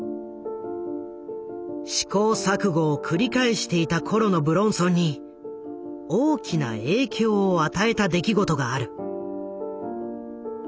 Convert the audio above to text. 試行錯誤を繰り返していた頃の武論尊に大きな影響を与えた出来事がある。